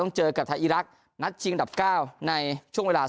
ต้องเจอกับไทยอีรักษณ์นัดจริงดับเก้าในช่วงเวลา